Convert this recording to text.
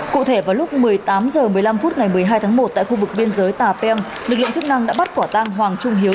cụ thể vào lúc một mươi tám h một mươi năm phút ngày một mươi hai tháng một tại khu vực biên giới tà pem lực lượng chức năng đã bắt quả tang hoàng trung hiếu